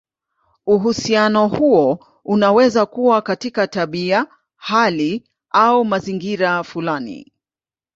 Uhusiano huo unaweza kuwa katika tabia, hali, au mazingira fulani.